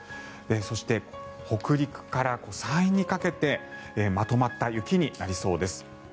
そして、北陸から山陰にかけてまとまった雪になりそうです。